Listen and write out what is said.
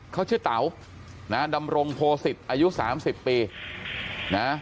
เขาชื่อเต๋านะฮะดำรงโพสิตอายุสามสิบปีนะฮะ